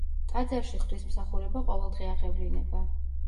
ტაძარში ღვთისმსახურება ყოველდღე აღევლინება.